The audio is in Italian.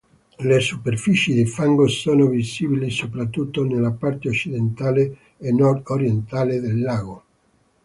Le superfici di fango sono visibili soprattutto nella parte occidentale e nord-orientale del lago.